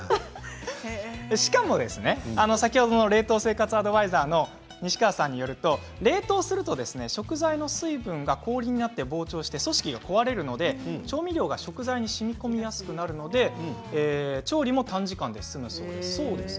しかも先ほどの冷凍生活アドバイザーの西川さんによりますと冷凍すると食材の水分が氷なって膨張して組織が壊れるので調味料が食材にしみこみやすくなるので、調理も短時間で済むそうです。